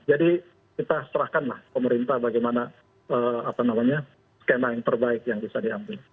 jadi kita serahkan lah pemerintah bagaimana skena yang terbaik yang bisa diambil